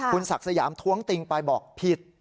คุณศักดิ์สยามท้วงติงไปบอกผิด